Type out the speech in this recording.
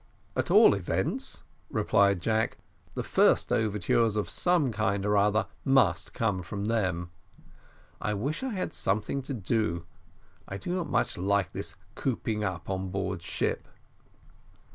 "At all events," replied Jack, "the first overtures of some kind or another must come from them. I wish I had something to do I do not much like this cooping up on board ship."